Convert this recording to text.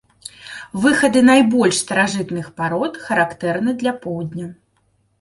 Выхады найбольш старажытных парод характэрны для поўдня.